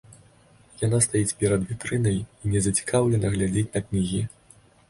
Яна стаіць перад вітрынай і незацікаўлена глядзіць на кнігі.